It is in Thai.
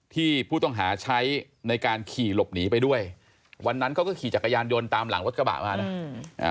ที่ผู้ต้องหาใช้ในการขี่หลบหนีไปด้วยวันนั้นเขาก็ขี่จักรยานยนต์ตามหลังรถกระบะมานะอืมอ่า